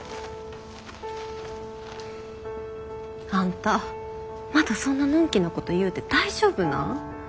あんたまたそんなのんきなこと言うて大丈夫なん？